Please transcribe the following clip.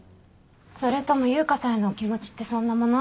それとも悠香さんへの気持ちってそんなもの？